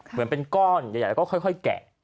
เหมือนเป็นก้อนใหญ่แล้วก็ค่อยแกะ